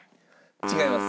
違います。